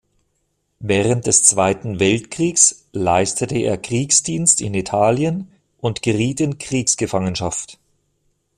Während des Zweiten Weltkriegs leistete er Kriegsdienst in Italien und geriet in Kriegsgefangenschaft.